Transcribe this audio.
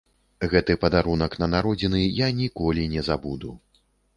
Гэты падарунак на народзіны я ніколі не забуду.